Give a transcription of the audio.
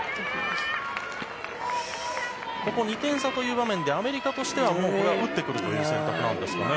ここ２点差という場面でアメリカとしては打ってくるという選択ですかね。